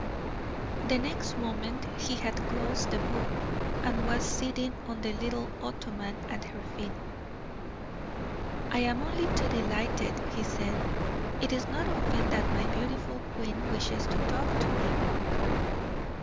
The next moment he had closed the book, and was sitting on the little ottoman at her feet. "I am only too delighted," he said. "It is not often that my beautiful queen wishes to talk to me."